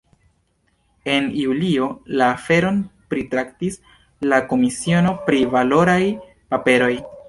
En julio la aferon pritraktis la komisiono pri valoraj paperoj.